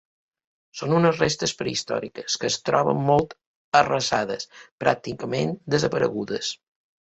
Són unes restes prehistòriques que es troben molt arrasades, pràcticament desaparegudes.